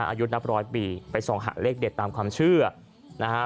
อายุนับร้อยปีไปส่องหาเลขเด็ดตามความเชื่อนะฮะ